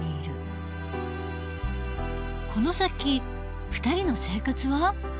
この先２人の生活は？